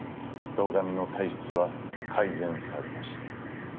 堂上の体質は改善されました。